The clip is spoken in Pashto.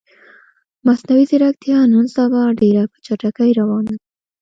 مصنوعی ځیرکتیا نن سبا ډیره په چټکې روانه ده